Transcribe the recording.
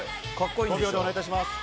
５秒でお願いいたします。